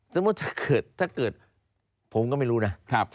ถ้าเกิดถ้าเกิดผมก็ไม่รู้นะ